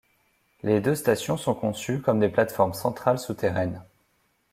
Les deux stations sont conçues comme des plates-formes centrales souterraines.